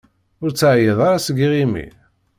Ur teεyiḍ ara seg yiɣimi?